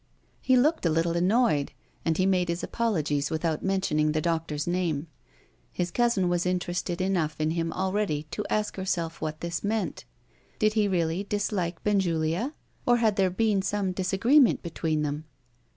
He looked a little annoyed, and he made his apologies without mentioning the doctor's name. His cousin was interested enough in him already to ask herself what this meant. Did he really dislike Benjulia, and had there been some disagreement between them?